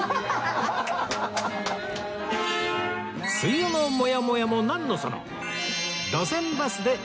梅雨のモヤモヤもなんのその